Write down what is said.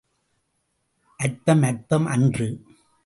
அற்பம் அற்பம் அன்று.